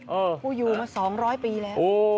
เออมา๒๐๐ปีแล้ว